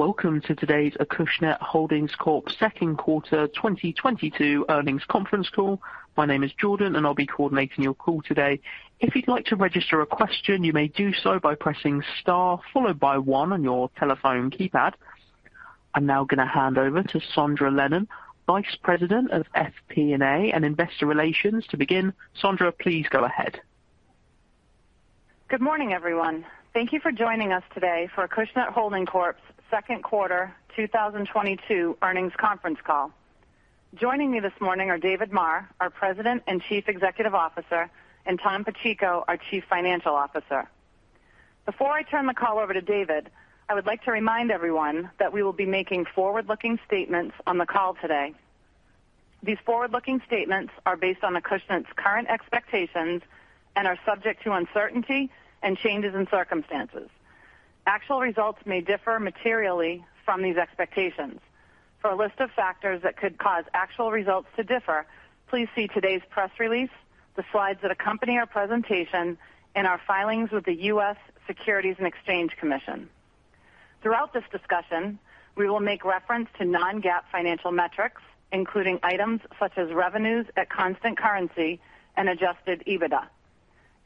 Welcome to today's Acushnet Holdings Corp. second quarter 2022 earnings conference call. My name is Jordan, and I'll be coordinating your call today. If you'd like to register a question, you may do so by pressing star, followed by one on your telephone keypad. I'm now gonna hand over to Sondra Lennon, Vice President of FP&A and Investor Relations, to begin. Sondra, please go ahead. Good morning, everyone. Thank you for joining us today for Acushnet Holdings Corp.'s second quarter 2022 earnings conference call. Joining me this morning are David Maher, our President and Chief Executive Officer, and Thomas Pacheco, our Chief Financial Officer. Before I turn the call over to David, I would like to remind everyone that we will be making forward-looking statements on the call today. These forward-looking statements are based on Acushnet's current expectations and are subject to uncertainty and changes in circumstances. Actual results may differ materially from these expectations. For a list of factors that could cause actual results to differ, please see today's press release, the slides that accompany our presentation and our filings with the U.S. Securities and Exchange Commission. Throughout this discussion, we will make reference to non-GAAP financial metrics, including items such as revenues at constant currency and adjusted EBITDA.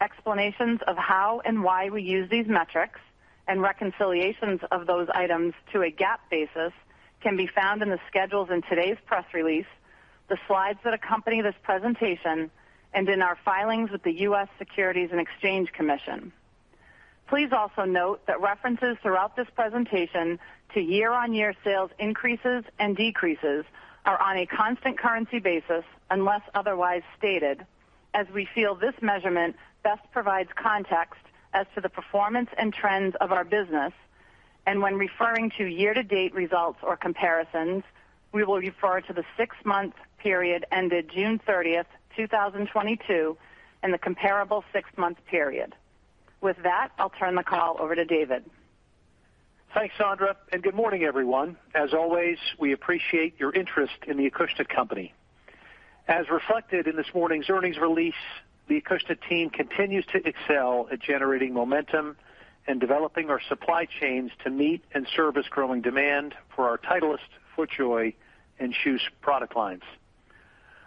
Explanations of how and why we use these metrics and reconciliations of those items to a GAAP basis can be found in the schedules in today's press release, the slides that accompany this presentation, and in our filings with the U.S. Securities and Exchange Commission. Please also note that references throughout this presentation to year-over-year sales increases and decreases are on a constant currency basis unless otherwise stated, as we feel this measurement best provides context as to the performance and trends of our business. When referring to year-to-date results or comparisons, we will refer to the six-month period ended June 30th, 2022 and the comparable six-month period. With that, I'll turn the call over to David. Thanks, Sondra, and good morning, everyone. As always, we appreciate your interest in the Acushnet company. As reflected in this morning's earnings release, the Acushnet team continues to excel at generating momentum and developing our supply chains to meet and service growing demand for our Titleist, FootJoy and KJUS product lines.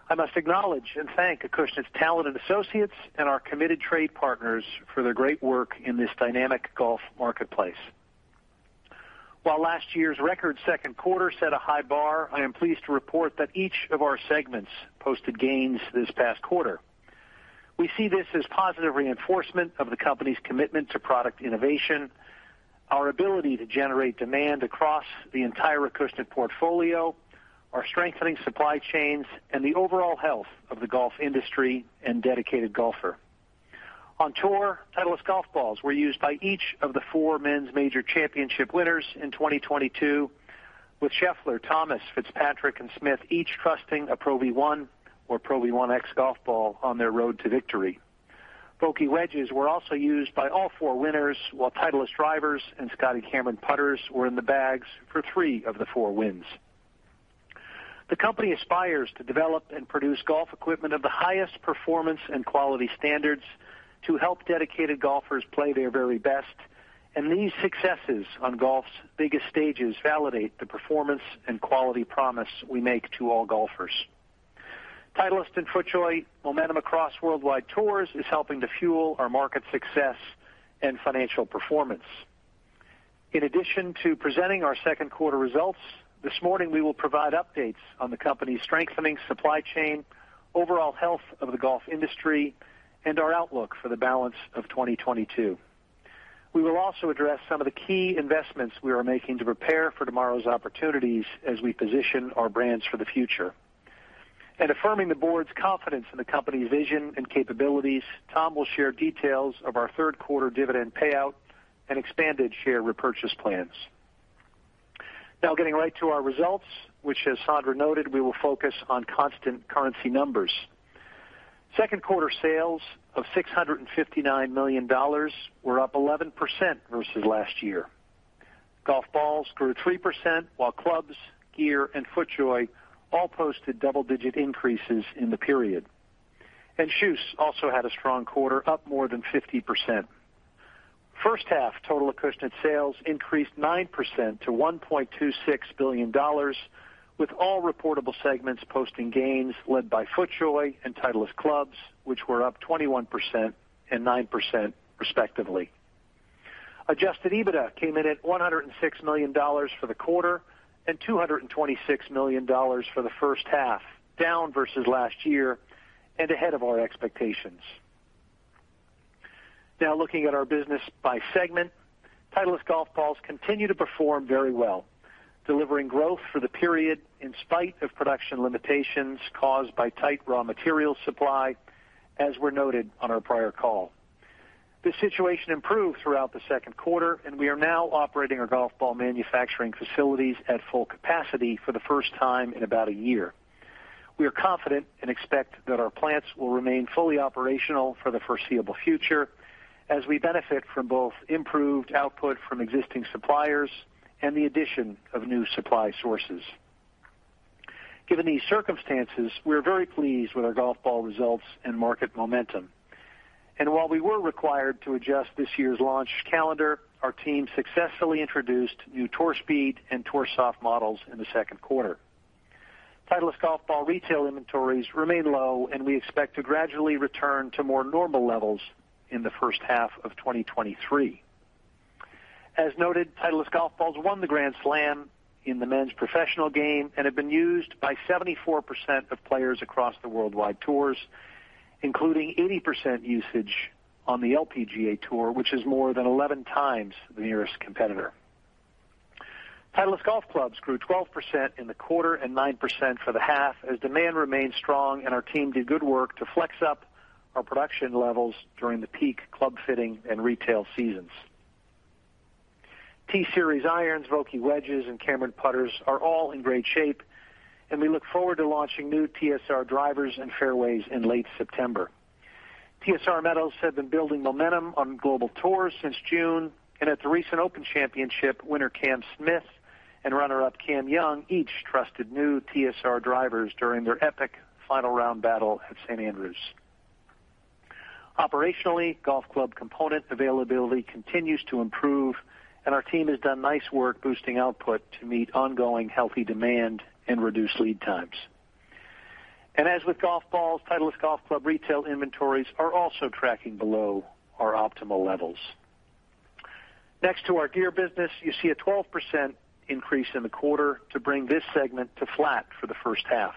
I must acknowledge and thank Acushnet's talented associates and our committed trade partners for their great work in this dynamic golf marketplace. While last year's record second quarter set a high bar, I am pleased to report that each of our segments posted gains this past quarter. We see this as positive reinforcement of the company's commitment to product innovation, our ability to generate demand across the entire Acushnet portfolio, our strengthening supply chains, and the overall health of the golf industry and dedicated golfer. On tour, Titleist golf balls were used by each of the four men's major championship winners in 2022, with Scheffler, Thomas, Fitzpatrick, and Smith each trusting a Pro V1 or Pro V1x golf ball on their road to victory. Vokey wedges were also used by all four winners, while Titleist drivers and Scotty Cameron putters were in the bags for three of the four wins. The company aspires to develop and produce golf equipment of the highest performance and quality standards to help dedicated golfers play their very best, and these successes on golf's biggest stages validate the performance and quality promise we make to all golfers. Titleist and FootJoy momentum across worldwide tours is helping to fuel our market success and financial performance. In addition to presenting our second quarter results, this morning, we will provide updates on the company's strengthening supply chain, overall health of the golf industry, and our outlook for the balance of 2022. We will also address some of the key investments we are making to prepare for tomorrow's opportunities as we position our brands for the future. Affirming the board's confidence in the company's vision and capabilities, Tom will share details of our third quarter dividend payout and expanded share repurchase plans. Now getting right to our results, which as Sondra noted, we will focus on constant currency numbers. Second quarter sales of $659 million were up 11% versus last year. Golf balls grew 3%, while clubs, gear, and FootJoy all posted double-digit increases in the period. KJUS also had a strong quarter, up more than 50%. First half total Acushnet sales increased 9% to $1.26 billion, with all reportable segments posting gains led by FootJoy and Titleist clubs, which were up 21% and 9% respectively. Adjusted EBITDA came in at $106 million for the quarter and $226 million for the first half, down versus last year and ahead of our expectations. Now looking at our business by segment, Titleist golf balls continue to perform very well, delivering growth for the period in spite of production limitations caused by tight raw material supply, as we noted on our prior call. This situation improved throughout the second quarter, and we are now operating our golf ball manufacturing facilities at full capacity for the first time in about a year. We are confident and expect that our plants will remain fully operational for the foreseeable future as we benefit from both improved output from existing suppliers and the addition of new supply sources. Given these circumstances, we're very pleased with our golf ball results and market momentum. While we were required to adjust this year's launch calendar, our team successfully introduced new Tour Speed and Tour Soft models in the second quarter. Titleist golf ball retail inventories remain low, and we expect to gradually return to more normal levels in the first half of 2023. As noted, Titleist golf balls won the Grand Slam in the men's professional game and have been used by 74% of players across the worldwide tours, including 80% usage on the LPGA Tour, which is more than 11x the nearest competitor. Titleist golf clubs grew 12% in the quarter and 9% for the half as demand remained strong and our team did good work to flex up our production levels during the peak club fitting and retail seasons. T-Series irons, Vokey wedges, and Cameron putters are all in great shape, and we look forward to launching new TSR drivers and fairways in late September. TSR metals have been building momentum on global tours since June, and at the recent Open Championship, winner Cameron Smith and runner-up Cameron Young each trusted new TSR drivers during their epic final round battle at St. Andrews. Operationally, golf club component availability continues to improve, and our team has done nice work boosting output to meet ongoing healthy demand and reduce lead times. Titleist golf club retail inventories are also tracking below our optimal levels. Next to our gear business, you see a 12% increase in the quarter to bring this segment to flat for the first half.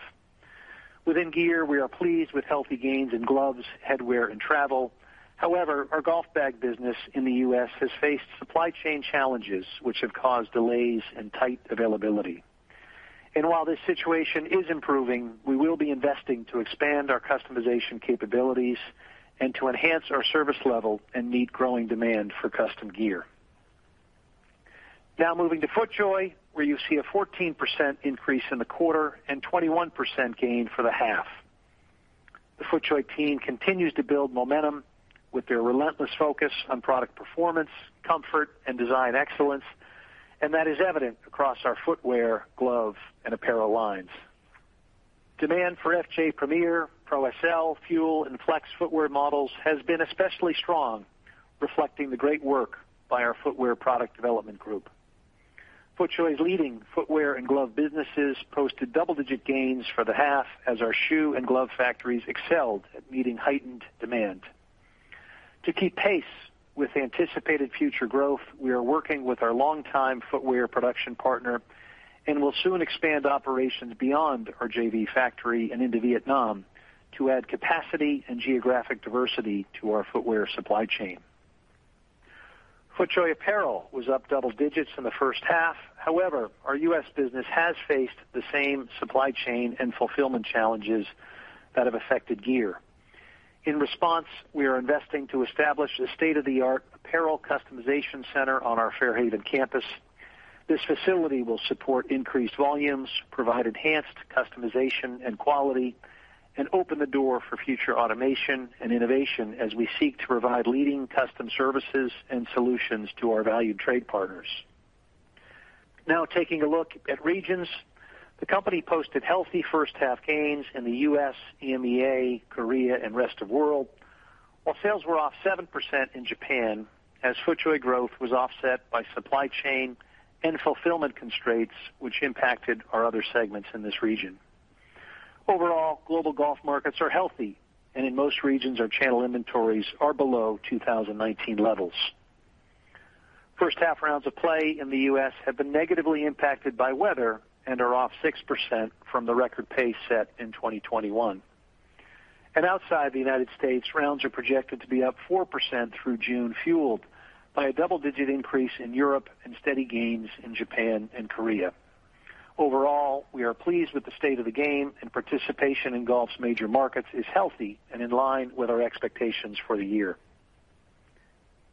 Within gear, we are pleased with healthy gains in gloves, headwear, and travel. However, our golf bag business in the U.S. has faced supply chain challenges which have caused delays and tight availability. While this situation is improving, we will be investing to expand our customization capabilities and to enhance our service level and meet growing demand for custom gear. Now moving to FootJoy, where you see a 14% increase in the quarter and 21% gain for the half. The FootJoy team continues to build momentum with their relentless focus on product performance, comfort, and design excellence, and that is evident across our footwear, glove, and apparel lines. Demand for FootJoy Premiere, Pro/SL, Fuel, and Flex footwear models has been especially strong, reflecting the great work by our footwear product development group. FootJoy's leading footwear and glove businesses posted double-digit gains for the half as our shoe and glove factories excelled at meeting heightened demand. To keep pace with anticipated future growth, we are working with our longtime footwear production partner and will soon expand operations beyond our JV factory and into Vietnam to add capacity and geographic diversity to our footwear supply chain. FootJoy apparel was up double digits in the first half. However, our U.S. business has faced the same supply chain and fulfillment challenges that have affected gear. In response, we are investing to establish a state-of-the-art apparel customization center on our Fairhaven campus. This facility will support increased volumes, provide enhanced customization and quality, and open the door for future automation and innovation as we seek to provide leading custom services and solutions to our valued trade partners. Now taking a look at regions. The company posted healthy first half gains in the U.S., EMEA, Korea, and rest of world, while sales were off 7% in Japan as FootJoy growth was offset by supply chain and fulfillment constraints which impacted our other segments in this region. Overall, global golf markets are healthy, and in most regions, our channel inventories are below 2019 levels. First half rounds of play in the U.S. have been negatively impacted by weather and are off 6% from the record pace set in 2021. Outside the United States, rounds are projected to be up 4% through June, fueled by a double-digit increase in Europe and steady gains in Japan and Korea. Overall, we are pleased with the state of the game and participation in golf's major markets is healthy and in line with our expectations for the year.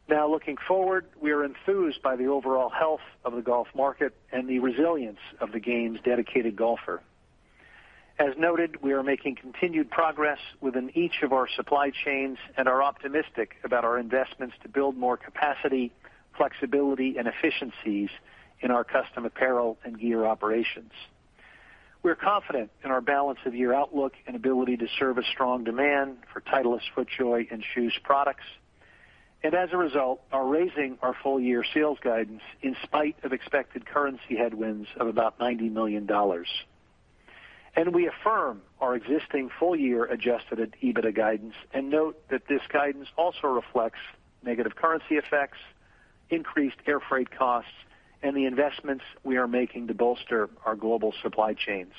Now looking forward, we are enthused by the overall health of the golf market and the resilience of the game's dedicated golfer. As noted, we are making continued progress within each of our supply chains and are optimistic about our investments to build more capacity, flexibility, and efficiencies in our custom apparel and gear operations. We're confident in our balance of year outlook and ability to serve a strong demand for Titleist, FootJoy, and KJUS products, and as a result, are raising our full year sales guidance in spite of expected currency headwinds of about $90 million. We affirm our existing full year adjusted EBITDA guidance and note that this guidance also reflects negative currency effects, increased air freight costs, and the investments we are making to bolster our global supply chains.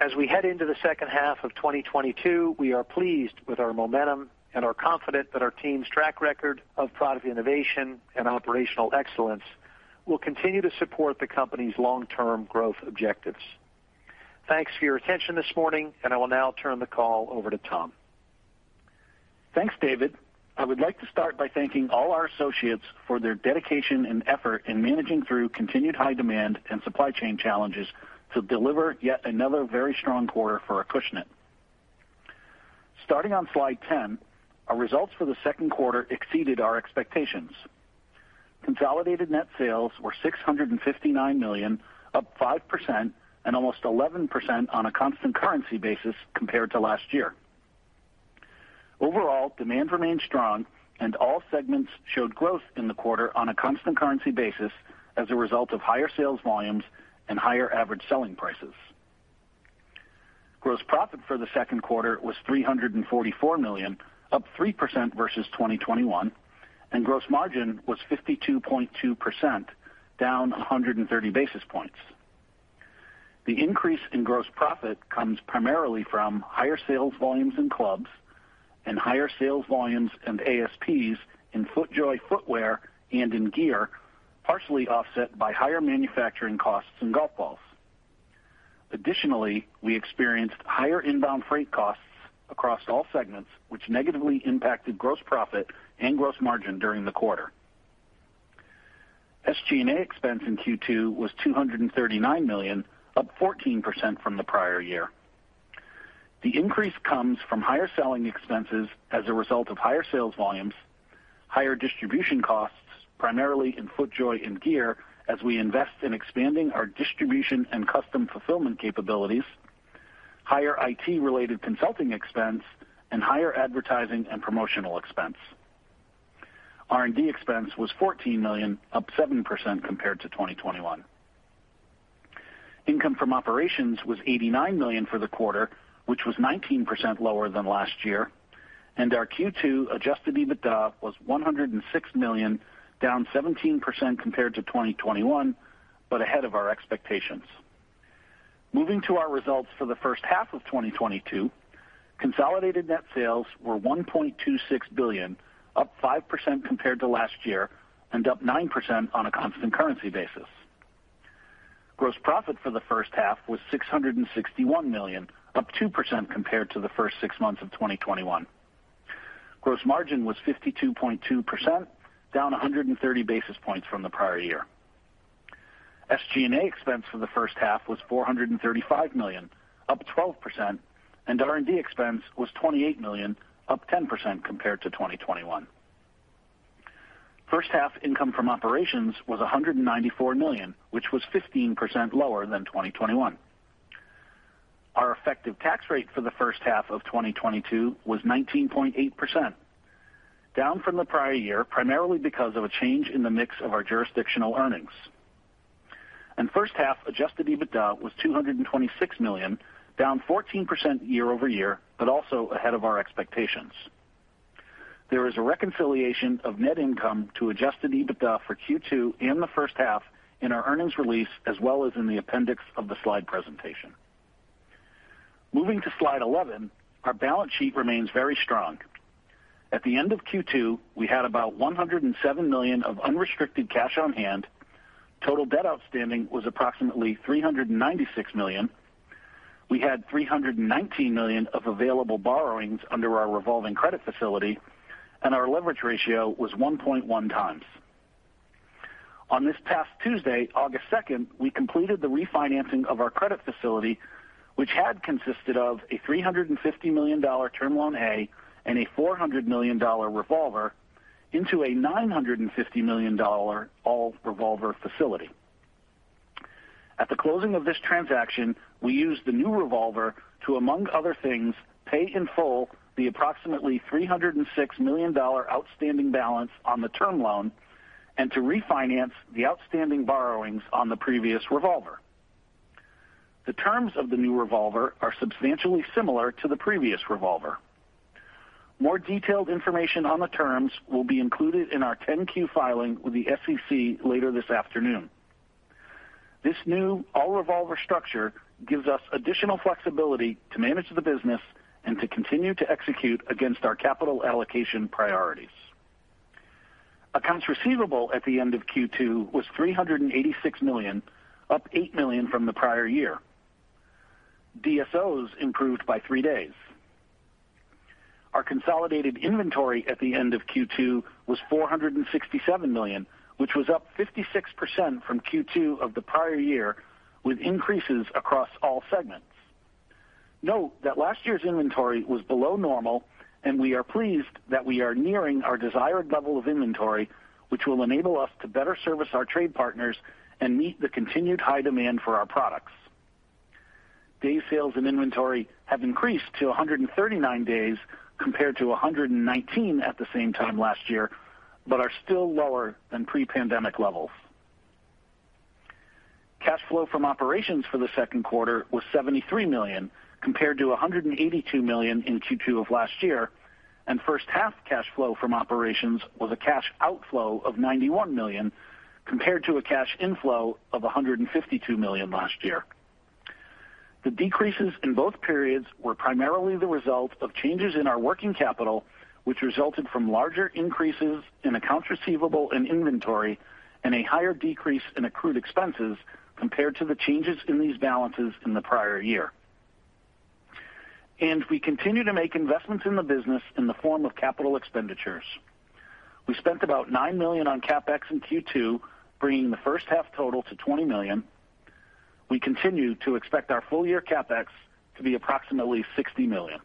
As we head into the second half of 2022, we are pleased with our momentum and are confident that our team's track record of product innovation and operational excellence will continue to support the company's long-term growth objectives. Thanks for your attention this morning, and I will now turn the call over to Tom. Thanks, David. I would like to start by thanking all our associates for their dedication and effort in managing through continued high demand and supply chain challenges to deliver yet another very strong quarter for Acushnet. Starting on slide 10, our results for the second quarter exceeded our expectations. Consolidated net sales were $659 million, up 5% and almost 11% on a constant currency basis compared to last year. Overall, demand remained strong and all segments showed growth in the quarter on a constant currency basis as a result of higher sales volumes and higher average selling prices. Gross profit for the second quarter was $344 million, up 3% versus 2021, and gross margin was 52.2%, down 130 basis points. The increase in gross profit comes primarily from higher sales volumes in clubs and higher sales volumes and ASPs in FootJoy footwear and in gear, partially offset by higher manufacturing costs in golf balls. Additionally, we experienced higher inbound freight costs across all segments, which negatively impacted gross profit and gross margin during the quarter. SG&A expense in Q2 was $239 million, up 14% from the prior year. The increase comes from higher selling expenses as a result of higher sales volumes, higher distribution costs, primarily in FootJoy and gear, as we invest in expanding our distribution and custom fulfillment capabilities, higher IT-related consulting expense, and higher advertising and promotional expense. R&D expense was $14 million, up 7% compared to 2021. Income from operations was $89 million for the quarter, which was 19% lower than last year, and our Q2 adjusted EBITDA was $106 million, down 17% compared to 2021, but ahead of our expectations. Moving to our results for the first half of 2022, consolidated net sales were $1.26 billion, up 5% compared to last year and up 9% on a constant currency basis. Gross profit for the first half was $661 million, up 2% compared to the first six months of 2021. Gross margin was 52.2%, down 130 basis points from the prior year. SG&A expense for the first half was $435 million, up 12%, and R&D expense was $28 million, up 10% compared to 2021. First half income from operations was $194 million, which was 15% lower than 2021. Our effective tax rate for the first half of 2022 was 19.8%, down from the prior year, primarily because of a change in the mix of our jurisdictional earnings. First half adjusted EBITDA was $226 million, down 14% year-over-year, but also ahead of our expectations. There is a reconciliation of net income to adjusted EBITDA for Q2 and the first half in our earnings release, as well as in the appendix of the slide presentation. Moving to slide 11, our balance sheet remains very strong. At the end of Q2, we had about $107 million of unrestricted cash on hand. Total debt outstanding was approximately $396 million. We had $319 million of available borrowings under our revolving credit facility, and our leverage ratio was 1.1x. On this past Tuesday, August 2nd, we completed the refinancing of our credit facility, which had consisted of a $350 million Term Loan A and a $400 million revolver into a $950 million all-revolver facility. At the closing of this transaction, we used the new revolver to, among other things, pay in full the approximately $306 million outstanding balance on the term loan and to refinance the outstanding borrowings on the previous revolver. The terms of the new revolver are substantially similar to the previous revolver. More detailed information on the terms will be included in our 10-Q filing with the SEC later this afternoon. This new all-revolver structure gives us additional flexibility to manage the business and to continue to execute against our capital allocation priorities. Accounts receivable at the end of Q2 was $386 million, up $8 million from the prior year. DSOs improved by three days. Our consolidated inventory at the end of Q2 was $467 million, which was up 56% from Q2 of the prior year, with increases across all segments. Note that last year's inventory was below normal, and we are pleased that we are nearing our desired level of inventory, which will enable us to better service our trade partners and meet the continued high demand for our products. Days sales in inventory have increased to 139 days compared to 119 at the same time last year, but are still lower than pre-pandemic levels. Cash flow from operations for the second quarter was $73 million, compared to $182 million in Q2 of last year, and first half cash flow from operations was a cash outflow of $91 million, compared to a cash inflow of $152 million last year. The decreases in both periods were primarily the result of changes in our working capital, which resulted from larger increases in accounts receivable and inventory and a higher decrease in accrued expenses compared to the changes in these balances in the prior year. We continue to make investments in the business in the form of capital expenditures. We spent about $9 million on CapEx in Q2, bringing the first half total to $20 million. We continue to expect our full year CapEx to be approximately $60 million.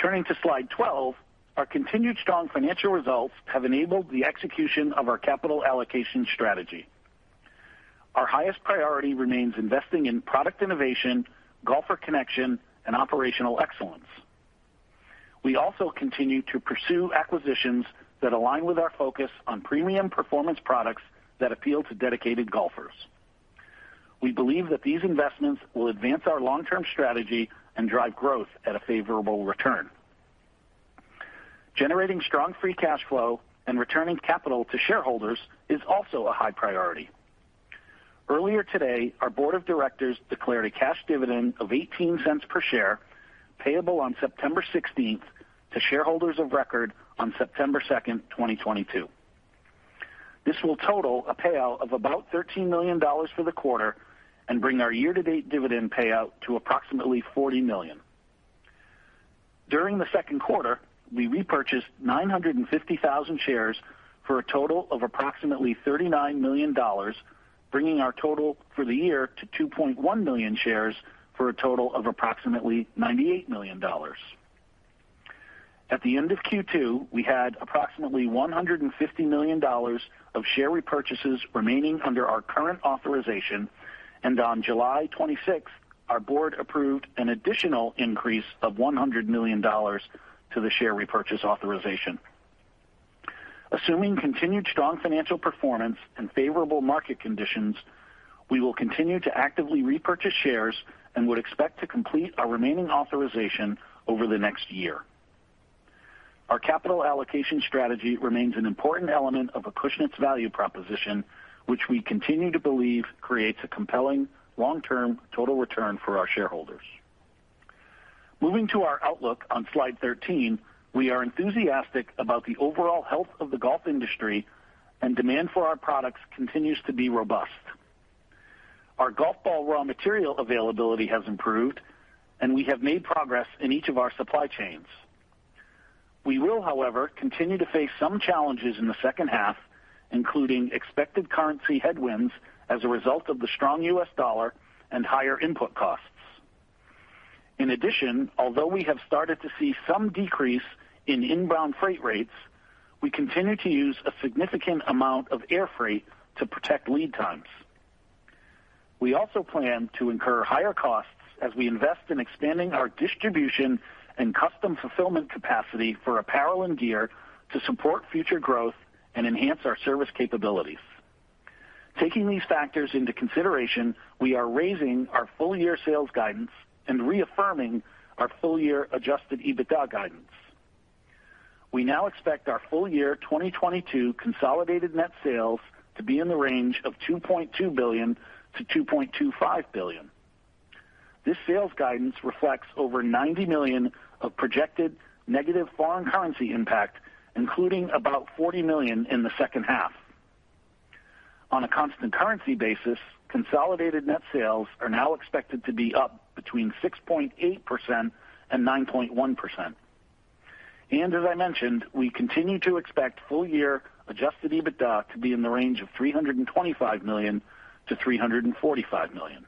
Turning to slide 12, our continued strong financial results have enabled the execution of our capital allocation strategy. Our highest priority remains investing in product innovation, golfer connection, and operational excellence. We also continue to pursue acquisitions that align with our focus on premium performance products that appeal to dedicated golfers. We believe that these investments will advance our long-term strategy and drive growth at a favorable return. Generating strong free cash flow and returning capital to shareholders is also a high priority. Earlier today, our board of directors declared a cash dividend of $0.18 per share, payable on September 16th to shareholders of record on September 2nd, 2022. This will total a payout of about $13 million for the quarter and bring our year-to-date dividend payout to approximately $40 million. During the second quarter, we repurchased 950,000 shares for a total of approximately $39 million, bringing our total for the year to 2.1 million shares for a total of approximately $98 million. At the end of Q2, we had approximately $150 million of share repurchases remaining under our current authorization, and on July 26th, our board approved an additional increase of $100 million to the share repurchase authorization. Assuming continued strong financial performance and favorable market conditions, we will continue to actively repurchase shares and would expect to complete our remaining authorization over the next year. Our capital allocation strategy remains an important element of Acushnet's value proposition, which we continue to believe creates a compelling long-term total return for our shareholders. Moving to our outlook on slide 13, we are enthusiastic about the overall health of the golf industry, and demand for our products continues to be robust. Our golf ball raw material availability has improved, and we have made progress in each of our supply chains. We will, however, continue to face some challenges in the second half, including expected currency headwinds as a result of the strong U.S. dollar and higher input costs. In addition, although we have started to see some decrease in inbound freight rates, we continue to use a significant amount of air freight to protect lead times. We also plan to incur higher costs as we invest in expanding our distribution and custom fulfillment capacity for apparel and gear to support future growth and enhance our service capabilities. Taking these factors into consideration, we are raising our full year sales guidance and reaffirming our full year adjusted EBITDA guidance. We now expect our full year 2022 consolidated net sales to be in the range of $2.2 billion-$2.25 billion. This sales guidance reflects over $90 million of projected negative foreign currency impact, including about $40 million in the second half. On a constant currency basis, consolidated net sales are now expected to be up between 6.8% and 9.1%. As I mentioned, we continue to expect full year adjusted EBITDA to be in the range of $325 million-$345 million.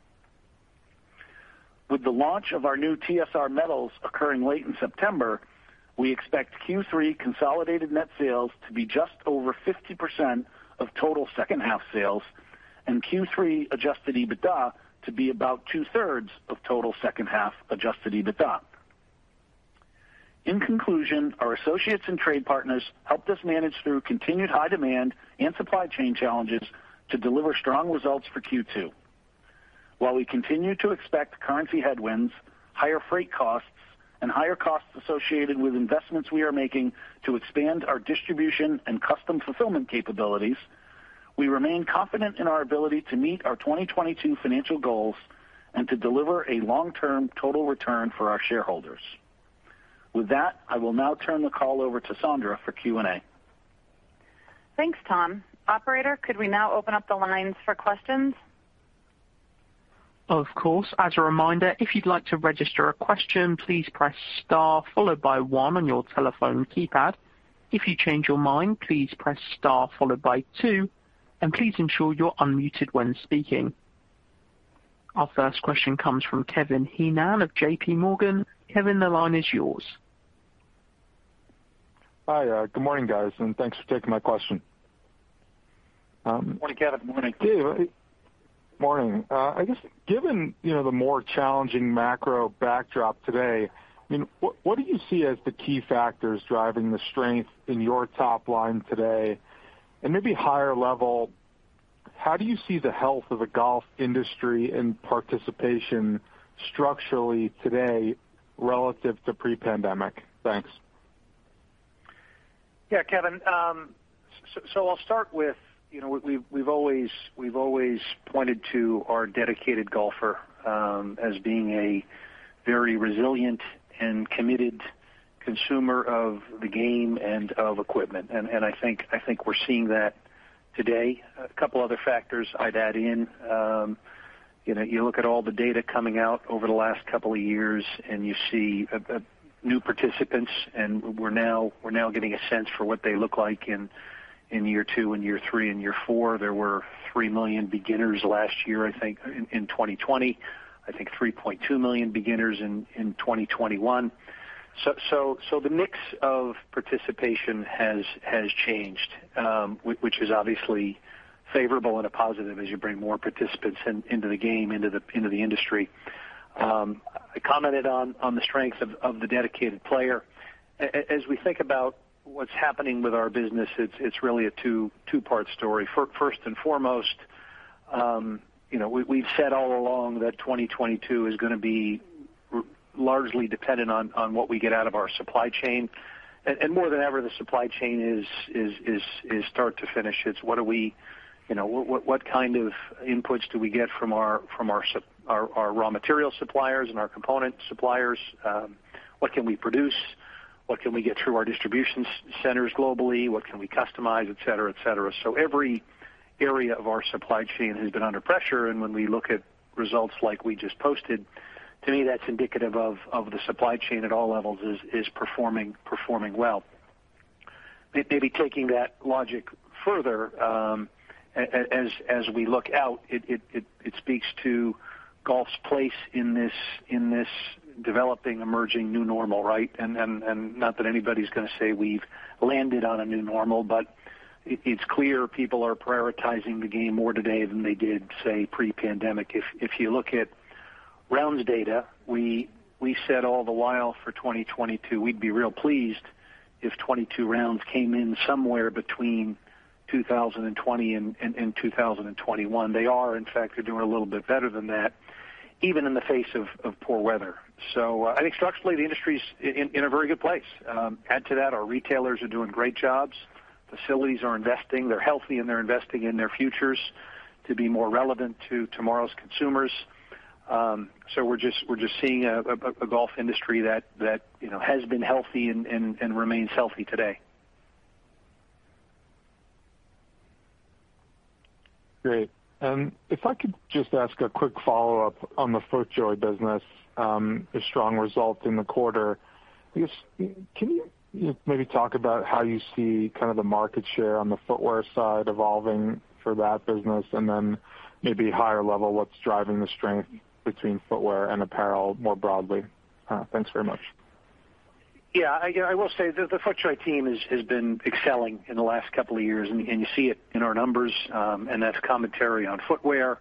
With the launch of our new TSR Metals occurring late in September, we expect Q3 consolidated net sales to be just over 50% of total second half sales and Q3 adjusted EBITDA to be about 2/3 of total second half adjusted EBITDA. In conclusion, our associates and trade partners helped us manage through continued high demand and supply chain challenges to deliver strong results for Q2. While we continue to expect currency headwinds, higher freight costs, and higher costs associated with investments we are making to expand our distribution and custom fulfillment capabilities, we remain confident in our ability to meet our 2022 financial goals and to deliver a long-term total return for our shareholders. With that, I will now turn the call over to Sondra for Q&A. Thanks, Tom. Operator, could we now open up the lines for questions? Of course. As a reminder, if you'd like to register a question, please press star followed by one on your telephone keypad. If you change your mind, please press star followed by two, and please ensure you're unmuted when speaking. Our first question comes from Kevin Heenan of JPMorgan. Kevin, the line is yours. Hi. Good morning, guys, and thanks for taking my question. Good morning, Kevin. Good morning. Morning. I guess given, you know, the more challenging macro backdrop today, I mean, what do you see as the key factors driving the strength in your top line today? Maybe higher level, how do you see the health of the golf industry and participation structurally today relative to pre-pandemic? Thanks. Yeah, Kevin. I'll start with, you know, we've always pointed to our dedicated golfer as being a very resilient and committed consumer of the game and of equipment. I think we're seeing that today. A couple other factors I'd add in, you know, you look at all the data coming out over the last couple of years, and you see new participants, and we're now getting a sense for what they look like and In year two and year three and year four, there were 3 million beginners last year, I think in 2020. I think 3.2 million beginners in 2021. The mix of participation has changed, which is obviously favorable and a positive as you bring more participants into the game, into the industry. I commented on the strength of the dedicated player. As we think about what's happening with our business, it's really a two-part story. First and foremost, you know, we've said all along that 2022 is gonna be largely dependent on what we get out of our supply chain. More than ever, the supply chain is start to finish. It's what do we. You know, what kind of inputs do we get from our raw material suppliers and our component suppliers? What can we produce? What can we get through our distribution centers globally? What can we customize, et cetera. Every area of our supply chain has been under pressure, and when we look at results like we just posted, to me, that's indicative of the supply chain at all levels is performing well. Maybe taking that logic further, as we look out, it speaks to golf's place in this developing, emerging new normal, right? Not that anybody's gonna say we've landed on a new normal, but it's clear people are prioritizing the game more today than they did, say, pre-pandemic. If you look at rounds data, we said all the while for 2022 we'd be real pleased if 2022 rounds came in somewhere between 2020 and 2021. They are, in fact, they're doing a little bit better than that, even in the face of poor weather. I think structurally the industry's in a very good place. Add to that our retailers are doing great jobs. Facilities are investing. They're healthy, and they're investing in their futures to be more relevant to tomorrow's consumers. We're just seeing a golf industry that, you know, has been healthy and remains healthy today. Great. If I could just ask a quick follow-up on the FootJoy business, a strong result in the quarter. I guess, can you maybe talk about how you see kind of the market share on the footwear side evolving for that business? And then maybe higher level, what's driving the strength between footwear and apparel more broadly? Thanks very much. Yeah, I will say the FootJoy team has been excelling in the last couple of years, and you see it in our numbers, and that's commentary on footwear,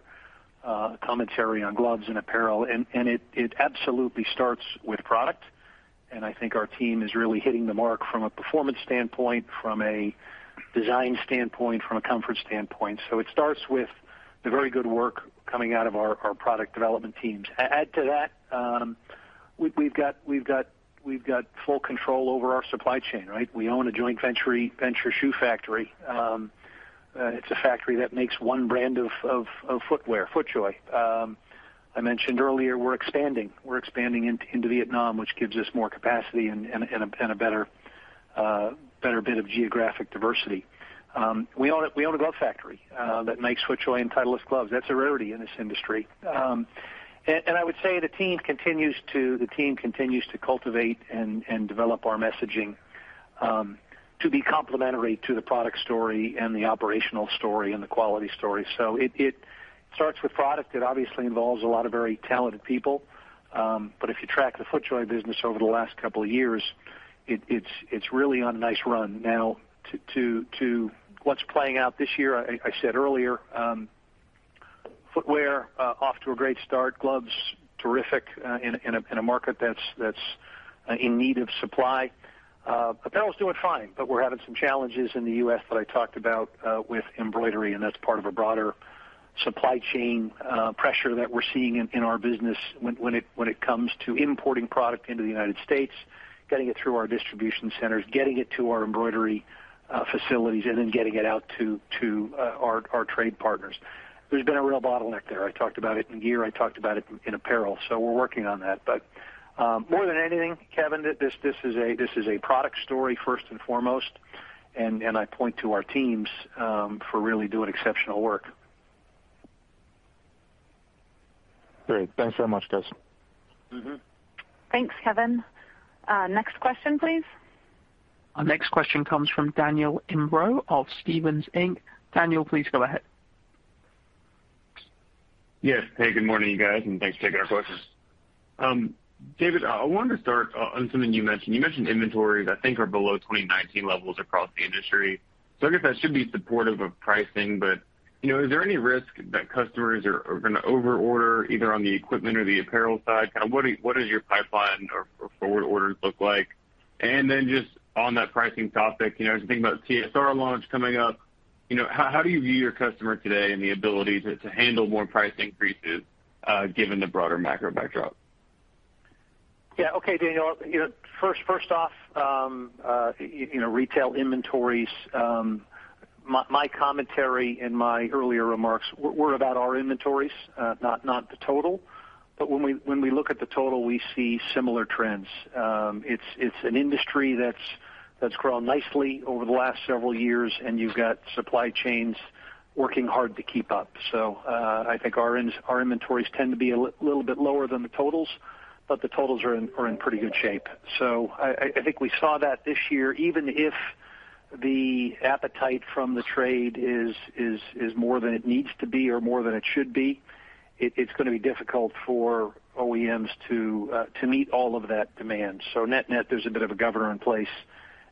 commentary on gloves and apparel. It absolutely starts with product, and I think our team is really hitting the mark from a performance standpoint, from a design standpoint, from a comfort standpoint. It starts with the very good work coming out of our product development teams. Add to that, we've got full control over our supply chain, right? We own a joint venture shoe factory. It's a factory that makes one brand of footwear, FootJoy. I mentioned earlier we're expanding. We're expanding into Vietnam, which gives us more capacity and a better bit of geographic diversity. We own a glove factory that makes FootJoy and Titleist gloves. That's a rarity in this industry. I would say the team continues to cultivate and develop our messaging to be complementary to the product story and the operational story and the quality story. It starts with product. It obviously involves a lot of very talented people. If you track the FootJoy business over the last couple of years, it's really on a nice run. Now, to what's playing out this year, I said earlier, footwear off to a great start. Gloves, terrific, in a market that's in need of supply. Apparel's doing fine, but we're having some challenges in the U.S. that I talked about with embroidery, and that's part of a broader supply chain pressure that we're seeing in our business when it comes to importing product into the United States, getting it through our distribution centers, getting it to our embroidery facilities, and then getting it out to our trade partners. There's been a real bottleneck there. I talked about it in gear. I talked about it in apparel. We're working on that. More than anything, Kevin, this is a product story first and foremost, and I point to our teams for really doing exceptional work. Great. Thanks so much, guys. Mm-hmm. Thanks, Kevin. Next question, please. Our next question comes from Daniel Imbro of Stephens Inc. Daniel, please go ahead. Yes. Hey, good morning, you guys, and thanks for taking our questions. David, I wanted to start on something you mentioned. You mentioned inventories I think are below 2019 levels across the industry. I guess that should be supportive of pricing, but, you know, is there any risk that customers are gonna overorder either on the equipment or the apparel side? What does your pipeline or forward orders look like? Just on that pricing topic, you know, as you think about TSR launch coming up, you know, how do you view your customer today and the ability to handle more price increases, given the broader macro backdrop? Yeah. Okay, Daniel. You know, first off, retail inventories, my commentary in my earlier remarks were about our inventories, not the total, but when we look at the total, we see similar trends. It's an industry that's grown nicely over the last several years, and you've got supply chains working hard to keep up. I think our inventories tend to be a little bit lower than the totals, but the totals are in pretty good shape. I think we saw that this year, even if the appetite from the trade is more than it needs to be or more than it should be. It's gonna be difficult for OEMs to meet all of that demand. Net-net, there's a bit of a governor in place,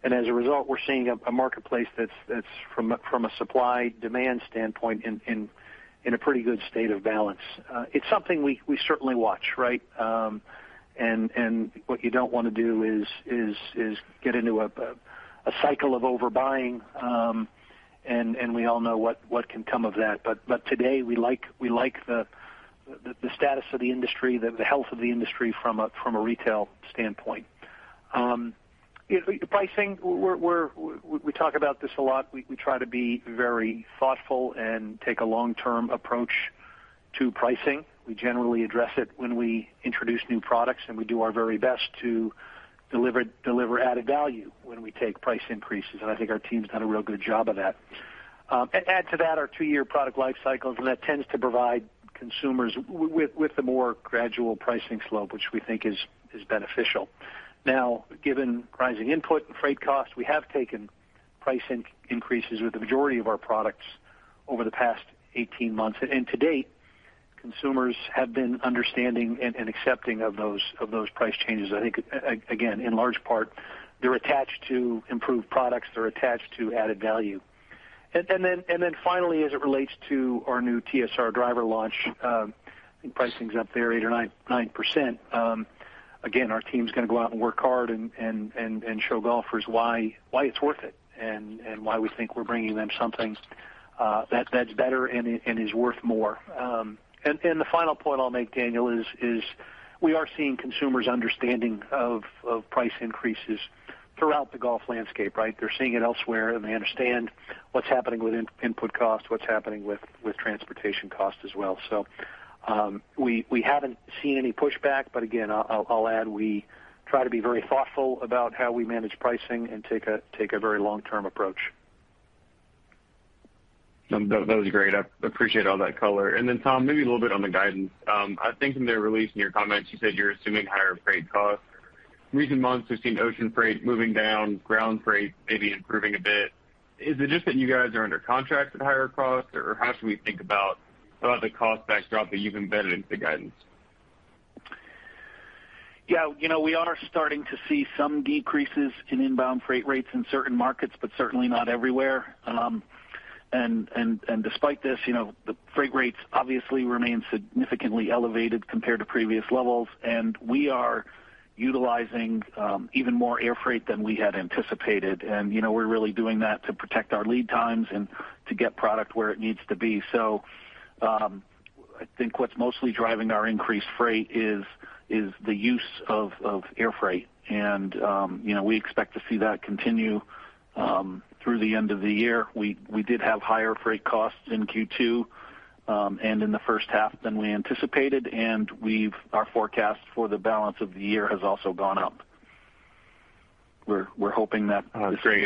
and as a result, we're seeing a marketplace that's from a supply-demand standpoint in a pretty good state of balance. It's something we certainly watch, right? What you don't wanna do is get into a cycle of overbuying, and we all know what can come of that. Today we like the status of the industry, the health of the industry from a retail standpoint. The pricing. We talk about this a lot. We try to be very thoughtful and take a long-term approach to pricing. We generally address it when we introduce new products, and we do our very best to deliver added value when we take price increases, and I think our team's done a real good job of that. Add to that our two-year product life cycles, and that tends to provide consumers with a more gradual pricing slope, which we think is beneficial. Now, given rising input and freight costs, we have taken price increases with the majority of our products over the past 18 months. To date, consumers have been understanding and accepting of those price changes. I think again, in large part, they're attached to improved products, they're attached to added value. Then finally, as it relates to our new TSR Driver launch, pricing's up there 8% or 9%. Again, our team's gonna go out and work hard and show golfers why it's worth it and why we think we're bringing them something that's better and is worth more. The final point I'll make, Daniel, is we are seeing consumers' understanding of price increases throughout the golf landscape, right? They're seeing it elsewhere, and they understand what's happening with input costs, what's happening with transportation costs as well. We haven't seen any pushback, but again, I'll add we try to be very thoughtful about how we manage pricing and take a very long-term approach. That was great. I appreciate all that color. Tom, maybe a little bit on the guidance. I think in the release, in your comments, you said you're assuming higher freight costs. Recent months, we've seen ocean freight moving down, ground freight maybe improving a bit. Is it just that you guys are under contract at higher costs, or how should we think about some of the cost backdrop that you've embedded into the guidance? Yeah. You know, we are starting to see some decreases in inbound freight rates in certain markets, but certainly not everywhere. Despite this, you know, the freight rates obviously remain significantly elevated compared to previous levels. We are utilizing even more air freight than we had anticipated. You know, we're really doing that to protect our lead times and to get product where it needs to be. I think what's mostly driving our increased freight is the use of air freight. You know, we expect to see that continue through the end of the year. We did have higher freight costs in Q2 and in the first half than we anticipated, and our forecast for the balance of the year has also gone up. We're hoping that Great.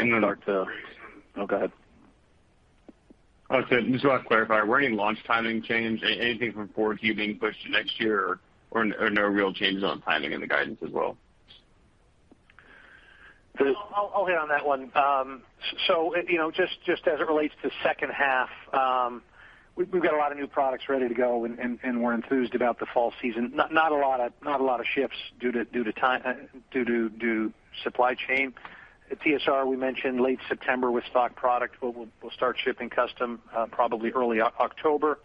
Oh, go ahead. Okay. Just wanna clarify. Were any launch timing change, anything from forward queue being pushed to next year or no real changes on timing in the guidance as well? I'll hit on that one. So, you know, just as it relates to second half, we've got a lot of new products ready to go and we're enthused about the fall season. Not a lot of shifts due to supply chain. TSR, we mentioned late September with stock product. We'll start shipping custom, probably early October.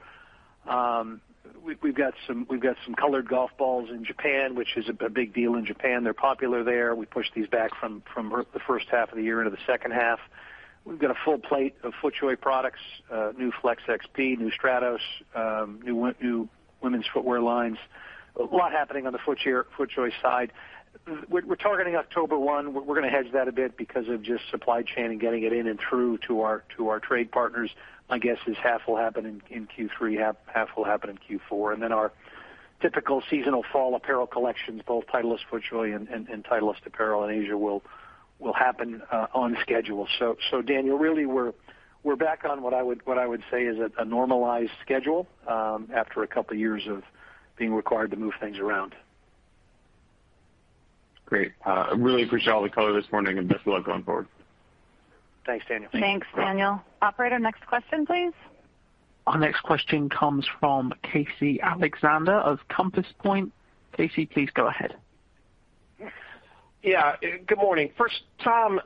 We've got some colored golf balls in Japan, which is a big deal in Japan. They're popular there. We pushed these back from the first half of the year into the second half. We've got a full plate of FootJoy products, new Flex XP, new Stratos, new women's footwear lines. A lot happening on the FootJoy side. We're targeting October 1. We're gonna hedge that a bit because of just supply chain and getting it in and through to our trade partners. My guess is half will happen in Q3, half will happen in Q4. Our typical seasonal fall apparel collections, both Titleist FootJoy and Titleist apparel in Asia will happen on schedule. Daniel, really, we're back on what I would say is a normalized schedule after a couple of years of being required to move things around. Great. I really appreciate all the color this morning, and best of luck going forward. Thanks, Daniel. Thanks, Daniel. Operator, next question, please. Our next question comes from Casey Alexander of Compass Point. Casey, please go ahead. Yeah, good morning. First, Tom,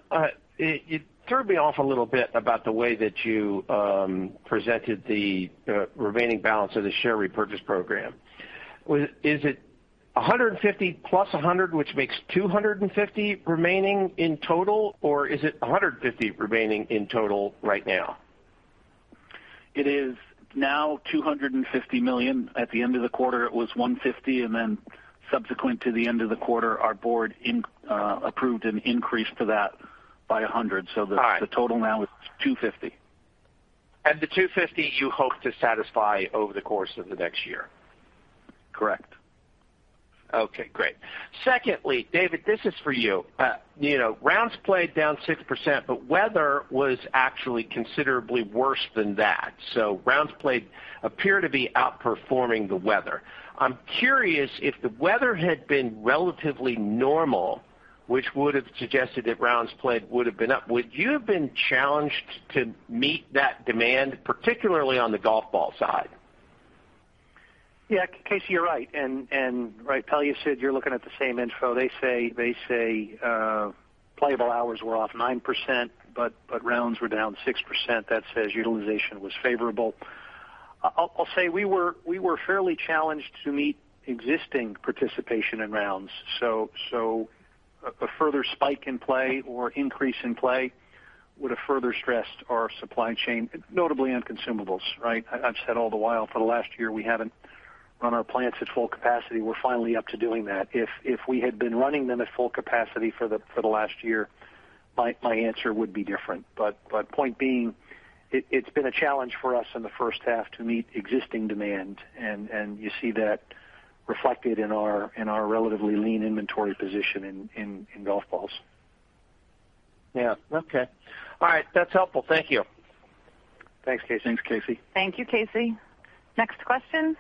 you threw me off a little bit about the way that you presented the remaining balance of the share repurchase program. Was it $150+$100, which makes $250 remaining in total, or is it $150 remaining in total right now? It is now $250 million. At the end of the quarter, it was $150 million, and then subsequent to the end of the quarter, our board approved an increase to that by $100 million. All right. The total now is $250 million. The $250 million you hope to satisfy over the course of the next year? Correct. Okay, great. Secondly, David, this is for you. You know, rounds played down 6%, but weather was actually considerably worse than that. Rounds played appear to be outperforming the weather. I'm curious, if the weather had been relatively normal, which would have suggested that rounds played would have been up. Would you have been challenged to meet that demand, particularly on the golf ball side? Yeah, Casey, you're right. Right, Pellucid, you're looking at the same info. They say playable hours were off 9%, but rounds were down 6%. That says utilization was favorable. I'll say we were fairly challenged to meet existing participation in rounds. A further spike in play or increase in play would have further stressed our supply chain, notably on consumables, right? I've said all the while, for the last year, we haven't run our plants at full capacity. We're finally up to doing that. If we had been running them at full capacity for the last year, my answer would be different. Point being, it's been a challenge for us in the first half to meet existing demand, and you see that reflected in our relatively lean inventory position in golf balls. Yeah. Okay. All right. That's helpful. Thank you. Thanks, Casey. Thanks, Casey. Thank you, Casey. Next question.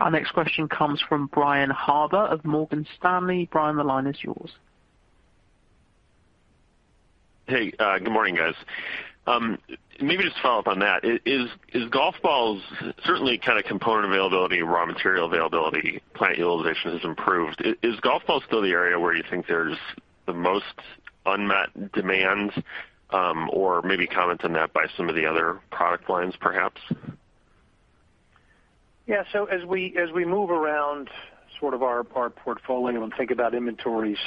Our next question comes from Brian Harbour of Morgan Stanley. Brian, the line is yours. Hey, good morning, guys. Maybe just to follow up on that. For golf balls, certainly kind of component availability, raw material availability, plant utilization has improved. Is golf balls still the area where you think there's the most unmet demand, or maybe comment on that by some of the other product lines, perhaps. Yeah. As we move around sort of our portfolio and think about inventories,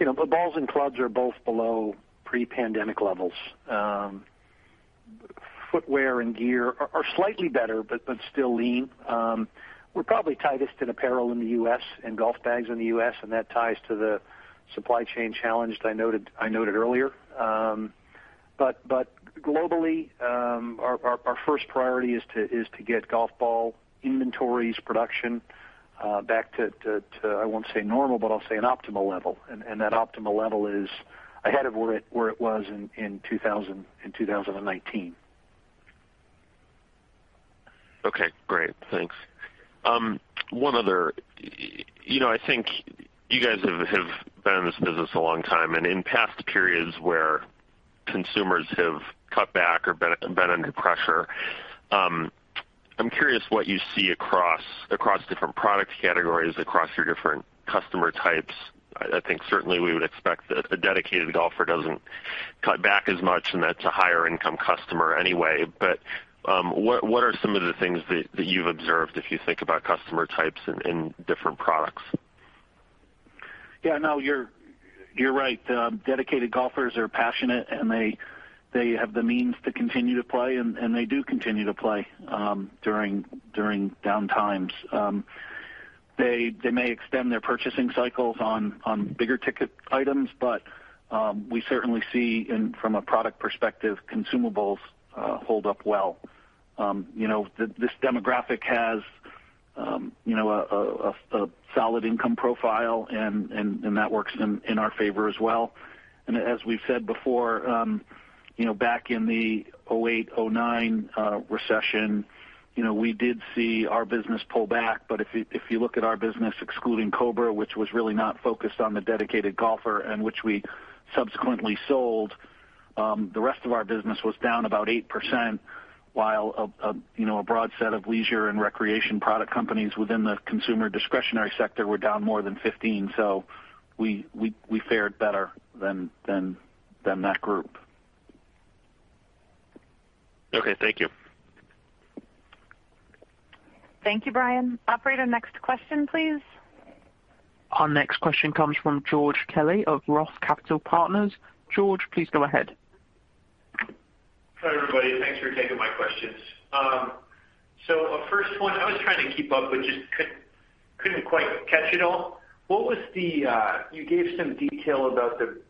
you know, balls and clubs are both below pre-pandemic levels. Footwear and gear are slightly better, but still lean. We're probably tightest in apparel in the U.S. and golf bags in the U.S., and that ties to the supply chain challenge that I noted earlier. But globally, our first priority is to get golf ball inventories, production, back to an optimal level. That optimal level is ahead of where it was in 2019. Okay, great. Thanks. One other. You know, I think you guys have been in this business a long time, and in past periods where consumers have cut back or been under pressure, I'm curious what you see across different product categories, across your different customer types. I think certainly we would expect that a dedicated golfer doesn't cut back as much, and that's a higher income customer anyway. What are some of the things that you've observed if you think about customer types in different products? Yeah, no, you're right. Dedicated golfers are passionate, and they have the means to continue to play, and they do continue to play during down times. They may extend their purchasing cycles on bigger ticket items, but we certainly see, from a product perspective, consumables hold up well. You know, this demographic has, you know, a solid income profile and that works in our favor as well. As we've said before, you know, back in the 2008/2009 recession, you know, we did see our business pull back. If you look at our business excluding Cobra, which was really not focused on the dedicated golfer and which we subsequently sold, the rest of our business was down about 8%, while you know, a broad set of leisure and recreation product companies within the consumer discretionary sector were down more than 15%. We fared better than that group. Okay, thank you. Thank you, Brian. Operator, next question, please. Our next question comes from George Kelly of Roth Capital Partners. George, please go ahead. Hi, everybody. Thanks for taking my questions. A first one, I was trying to keep up, but just couldn't quite catch it all. What was the you gave some detail about the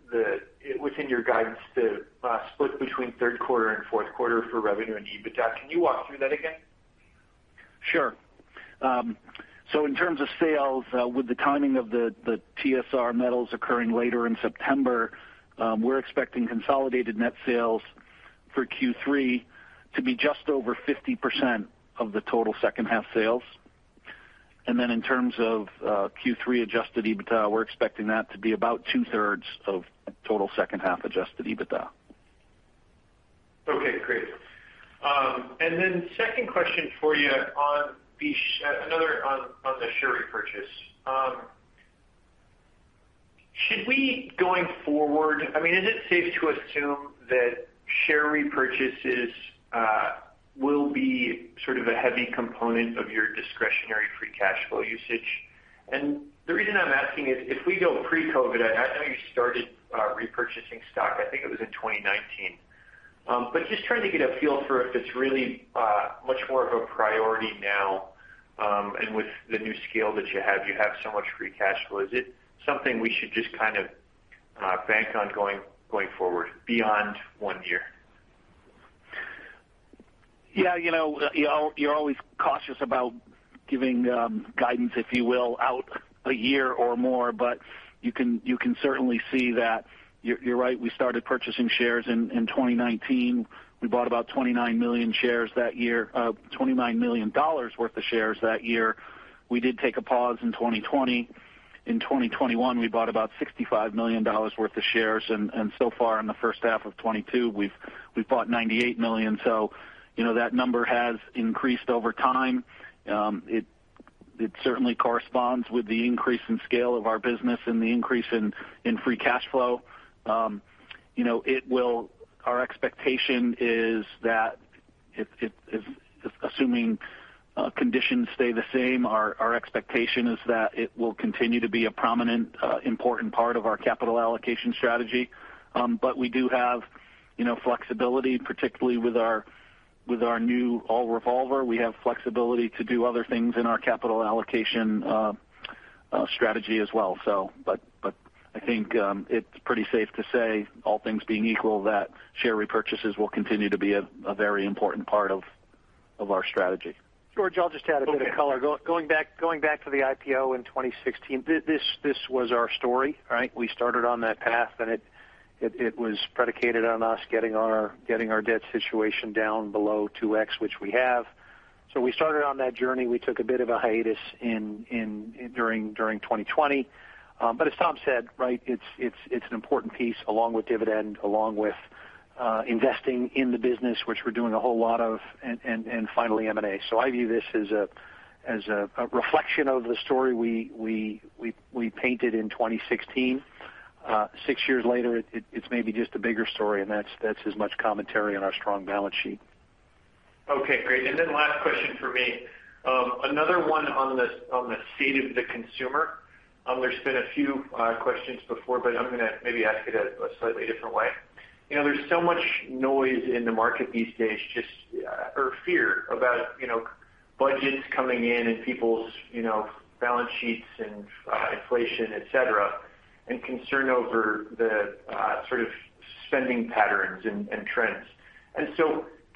within your guidance the split between third quarter and fourth quarter for revenue and EBITDA. Can you walk through that again? Sure. In terms of sales, with the timing of the TSR Metals occurring later in September, we're expecting consolidated net sales for Q3 to be just over 50% of the total second half sales. In terms of Q3 adjusted EBITDA, we're expecting that to be about 2/3 of total second half adjusted EBITDA. Okay, great. And then second question for you on another on the share repurchase. Should we going forward I mean, is it safe to assume that share repurchases will be sort of a heavy component of your discretionary free cash flow usage? And the reason I'm asking is, if we go pre-COVID, I know you started repurchasing stock, I think it was in 2019. But just trying to get a feel for if it's really much more of a priority now, and with the new scale that you have, you have so much free cash flow. Is it something we should just kind of bank on going forward beyond one year? Yeah. You know, you're always cautious about giving guidance, if you will, out a year or more. You can certainly see that you're right. We started purchasing shares in 2019. We bought about $29 million worth of shares that year. We did take a pause in 2020. In 2021, we bought about $65 million worth of shares, and so far in the first half of 2022, we've bought $98 million. You know, that number has increased over time. It certainly corresponds with the increase in scale of our business and the increase in free cash flow. You know, our expectation is that if assuming conditions stay the same, our expectation is that it will continue to be a prominent important part of our capital allocation strategy. We do have you know flexibility, particularly with our new ABL revolver. We have flexibility to do other things in our capital allocation strategy as well. I think it's pretty safe to say, all things being equal, that share repurchases will continue to be a very important part of our strategy. George, I'll just add a bit of color. Going back to the IPO in 2016, this was our story, right? We started on that path, and it was predicated on us getting our debt situation down below 2x, which we have. We started on that journey. We took a bit of a hiatus during 2020. As Tom said, right, it's an important piece along with dividend, along with investing in the business, which we're doing a whole lot of, and finally M&A. I view this as a reflection of the story we painted in 2016. Six years later, it's maybe just a bigger story, and that's as much commentary on our strong balance sheet. Okay, great. Then last question for me. Another one on the state of the consumer. There's been a few questions before, but I'm gonna maybe ask it a slightly different way. You know, there's so much noise in the market these days or fear about, you know, budgets coming in and people's, you know, balance sheets and inflation, et cetera, and concern over the sort of spending patterns and trends.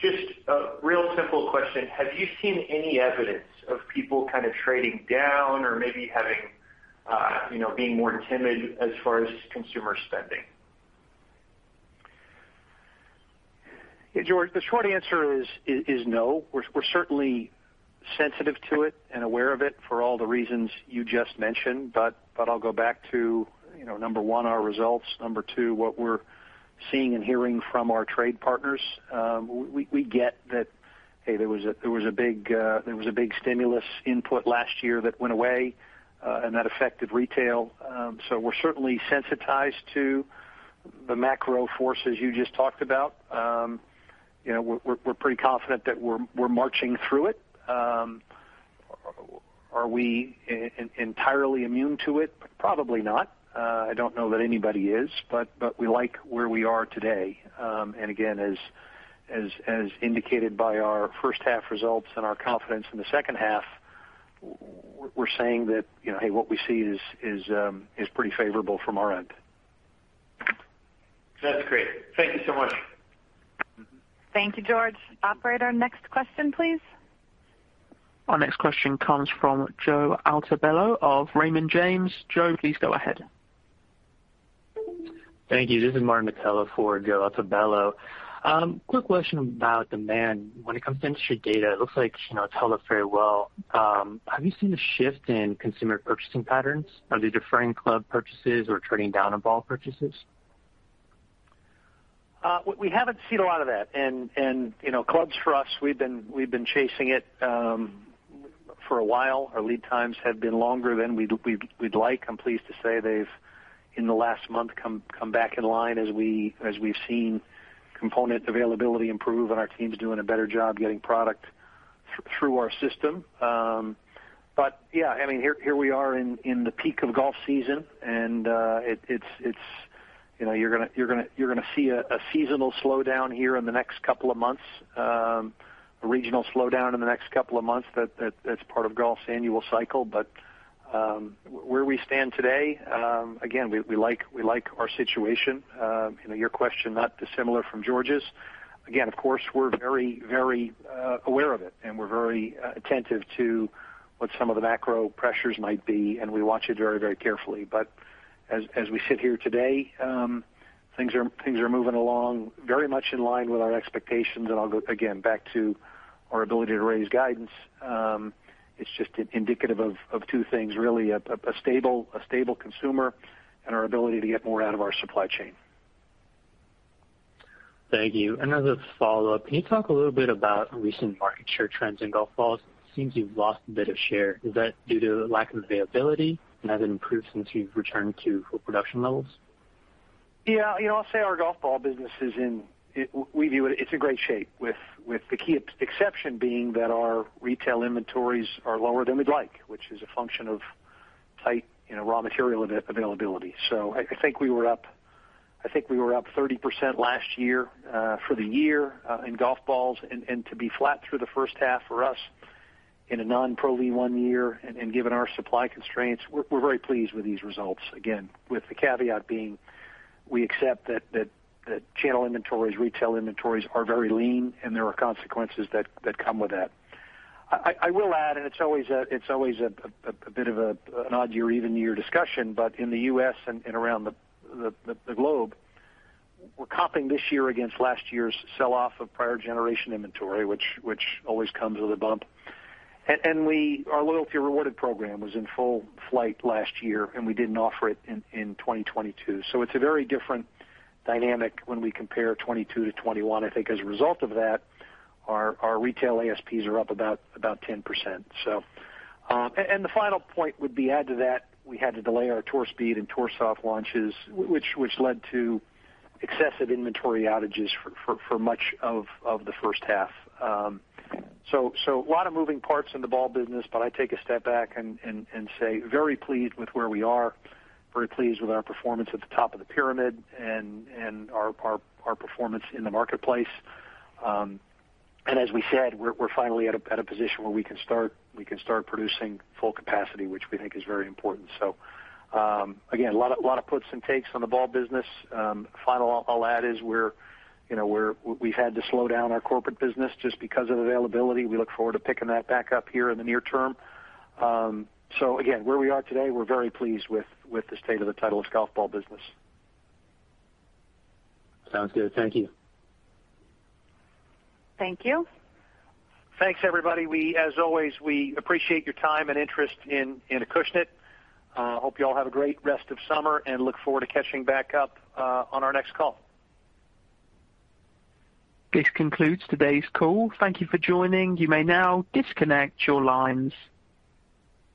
Just a real simple question. Have you seen any evidence of people kind of trading down or maybe having, you know, being more timid as far as consumer spending? Yeah, George, the short answer is no. We're certainly sensitive to it and aware of it for all the reasons you just mentioned. I'll go back to, you know, number one, our results. Number two, what we're seeing and hearing from our trade partners. We get that, hey, there was a big stimulus input last year that went away, and that affected retail. We're certainly sensitized to the macro forces you just talked about. You know, we're pretty confident that we're marching through it. Are we entirely immune to it? Probably not. I don't know that anybody is, but we like where we are today. Again, as indicated by our first half results and our confidence in the second half, we're saying that, you know, hey, what we see is pretty favorable from our end. That's great. Thank you so much. Thank you, George. Operator, next question, please. Our next question comes from Joe Altobello of Raymond James. Joe, please go ahead. Thank you. This is Martin Mitela for Joe Altobello. Quick question about demand. When it comes to industry data, it looks like, you know, it's held up very well. Have you seen a shift in consumer purchasing patterns? Are they deferring club purchases or trading down on ball purchases? We haven't seen a lot of that. You know, clubs for us, we've been chasing it for a while. Our lead times have been longer than we'd like. I'm pleased to say they've in the last month come back in line as we've seen component availability improve and our team's doing a better job getting product through our system. Yeah, I mean, here we are in the peak of golf season and it's you know you're gonna see a seasonal slowdown here in the next couple of months, a regional slowdown in the next couple of months. That's part of golf's annual cycle. Where we stand today, again, we like our situation. You know, your question not dissimilar from George's. Again, of course, we're very aware of it, and we're very attentive to what some of the macro pressures might be, and we watch it very carefully. As we sit here today, things are moving along very much in line with our expectations. I'll go again back to our ability to raise guidance. It's just indicative of two things, really, a stable consumer and our ability to get more out of our supply chain. Thank you. As a follow-up, can you talk a little bit about recent market share trends in golf balls? It seems you've lost a bit of share. Is that due to lack of availability, and has it improved since you've returned to full production levels? Yeah. You know, I'll say our golf ball business is in great shape with the key exception being that our retail inventories are lower than we'd like, which is a function of tight, you know, raw material availability. So I think we were up 30% last year for the year in golf balls. To be flat through the first half for us in a non-Pro V1 year and given our supply constraints, we're very pleased with these results, again, with the caveat being we accept that channel inventories, retail inventories are very lean, and there are consequences that come with that. I will add, it's always a bit of an odd year-over-year discussion, but in the U.S. and around the globe, we're comping this year against last year's sell-off of prior generation inventory, which always comes with a bump. Our Loyalty Rewarded program was in full flight last year, and we didn't offer it in 2022. It's a very different dynamic when we compare 2022 to 2021. I think as a result of that, our retail ASPs are up about 10%, so. The final point would be, add to that, we had to delay our Tour Speed and Tour Soft launches, which led to excessive inventory outages for much of the first half. A lot of moving parts in the ball business, but I take a step back and say very pleased with where we are, very pleased with our performance at the top of the pyramid and our performance in the marketplace. As we said, we're finally at a position where we can start producing full capacity, which we think is very important. Again, a lot of puts and takes on the ball business. Finally, I'll add is we're, you know, we've had to slow down our corporate business just because of availability. We look forward to picking that back up here in the near term. Again, where we are today, we're very pleased with the state of the Titleist golf ball business. Sounds good. Thank you. Thank you. Thanks, everybody. As always, we appreciate your time and interest in Acushnet. Hope you all have a great rest of summer and look forward to catching back up on our next call. This concludes today's call. Thank you for joining. You may now disconnect your lines.